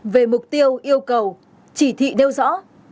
về mục tiêu yêu cầu chỉ thị đeo rõ